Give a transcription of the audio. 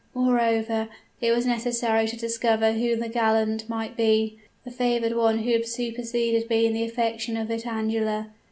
Moreover, it was necessary to discover who the gallant might be the favored one who had superseded me in the affections of Vitangela!